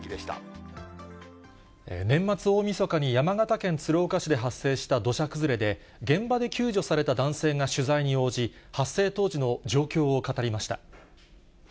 年末、大みそかに山形県鶴岡市で発生した土砂崩れで、現場で救助された男性が取材に応じ、発生当時の状況を語りました。